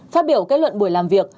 phát biểu kết luận buổi làm việc